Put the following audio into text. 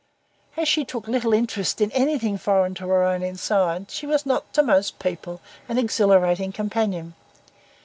As she took little interest in anything foreign to her own inside, she was not to most people an exhilarating companion.